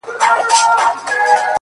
• ,د خدای د پاره کابل مه ورانوی,